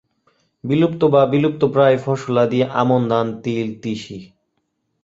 বিলুপ্ত বা বিলুপ্তপ্রায় ফসলাদি আমন ধান, তিল, তিসি।